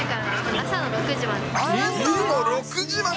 朝の６時まで！